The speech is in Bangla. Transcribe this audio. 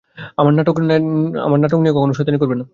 আমার নাটক নিয়ে কখনো শয়তানি করবে না।